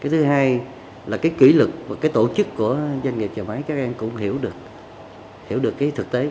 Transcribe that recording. thứ hai là kỹ lực và tổ chức của doanh nghiệp chở máy các em cũng hiểu được thực tế